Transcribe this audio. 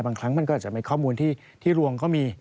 บางครั้งมันก็อาจจะเป็นข้อมูลที่รวงก็มี